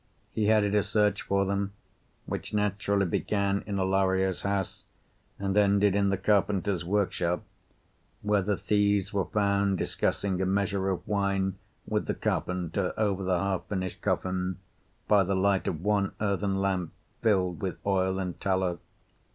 He headed a search for them, which naturally began in Alario's house and ended in the carpenter's workshop, where the thieves were found discussing a measure of wine with the carpenter over the half finished coffin, by the light of one earthen lamp filled with oil and tallow.